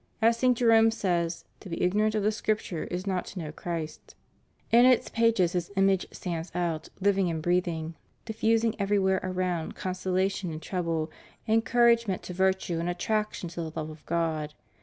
As St. Jerome says, to be ignorant of the Scripture is not to know Christ} In its pages His Image stands out, living and breathing ; diffusing everywhere around consolation in trouble, encourage ment to virtue, and attraction to the love of God.